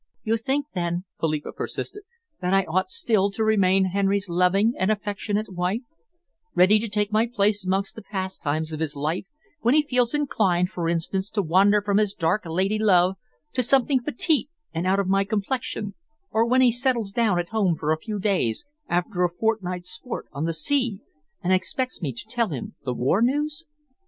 "You think, then," Philippa persisted, "that I ought still to remain Henry's loving and affectionate wife, ready to take my place amongst the pastimes of his life when he feels inclined, for instance, to wander from his dark lady love to something petite and of my complexion, or when he settles down at home for a few days after a fortnight's sport on the sea and expects me to tell him the war news?"